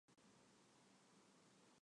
中国大陆至今无公开国葬规定。